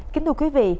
kính thưa quý vị